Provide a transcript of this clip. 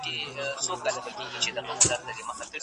د واک ترلاسه کولو لپاره له نظامي برخورد څخه ډډه وکړئ.